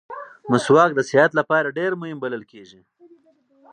مسواک د صحت لپاره ډېر مهم بلل کېږي.